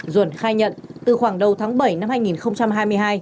duẩn khai nhận từ khoảng đầu tháng bảy năm hai nghìn hai mươi hai